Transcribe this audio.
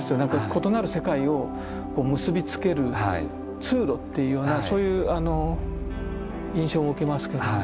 異なる世界を結び付ける通路っていうようなそういう印象を受けますけども。